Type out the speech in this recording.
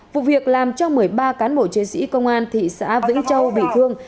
vụ việc làm cho một mươi ba cán bộ chiến sĩ công an thị xã vĩnh châu bị thương